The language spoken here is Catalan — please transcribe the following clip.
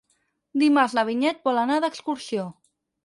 Dimarts na Vinyet vol anar d'excursió.